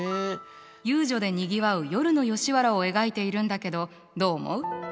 遊女でにぎわう夜の吉原を描いているんだけどどう思う？